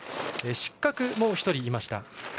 失格も１人いました。